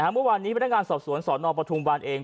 เมื่อวานนี้พนักงานสอบสวนสนปทุมวันเอง